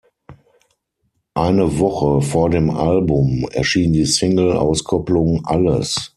Eine Woche vor dem Album erschien die Single-Auskopplung "Alles".